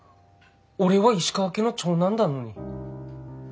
俺は石川家の長男だのに。